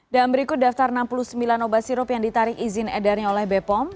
dan berikut daftar enam puluh sembilan obat sirup yang ditarik izin edarnya oleh bepom